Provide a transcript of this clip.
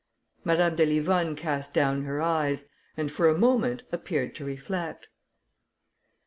Madame de Livonne cast down her eyes, and for a moment appeared to reflect.